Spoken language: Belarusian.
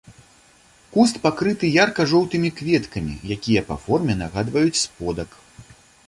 Куст пакрыты ярка-жоўтымі кветкамі, якія па форме нагадваюць сподак.